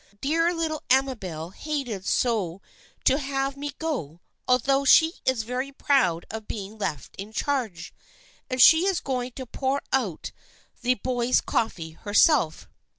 Dear little Amabel hated so to have me go, although she is very proud of be ing left in charge, and she is going to pour out the boys' coffee herself.